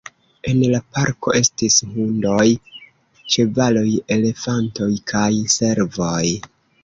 En la parko estis hundoj, ĉevaloj, elefantoj kaj servoj.